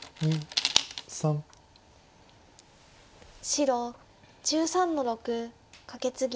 白１３の六カケツギ。